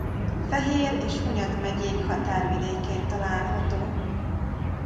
Fehér és Hunyad megyék határvidékén található.